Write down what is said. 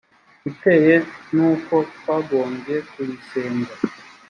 iteye n uko twagombye kuyisenga